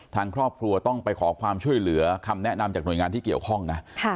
ทางครอบครัวต้องไปขอความช่วยเหลือคำแนะนำจากหน่วยงานที่เกี่ยวข้องนะ